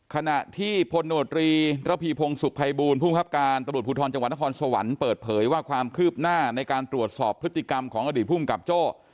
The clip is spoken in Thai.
ขณะที่พลโนตรีระพีพงศุกร์ภัยบูรณภูมิครับการตำรวจภูทรจังหวัดนครสวรรค์เปิดเผยว่าความคืบหน้าในการตรวจสอบพฤติกรรมของอดีตภูมิกับโจ้